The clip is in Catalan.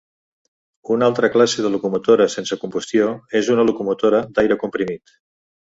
Una altra classe de locomotora sense combustió és una locomotora d'aire comprimit.